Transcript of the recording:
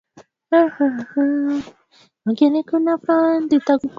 na hata kwa uwanjani katika siku za hivi karibuni